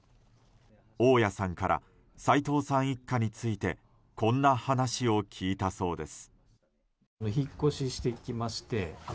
大家さんから齋藤さん一家についてこんな話を聞いたそうです。